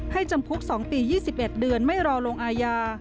จำคุก๒ปี๒๑เดือนไม่รอลงอาญา